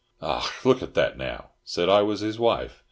"Och, look at that now! Said I was his wife!